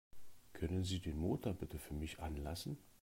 Können Sie den Motor bitte für mich anlassen?